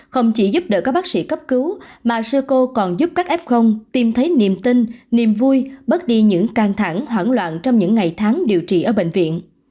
không chỉ giúp đỡ các bác sĩ cấp cứu mà sơ cô còn giúp các f tìm thấy niềm tin niềm vui bớt đi những căng thẳng hoảng loạn trong những ngày tháng điều trị ở bệnh viện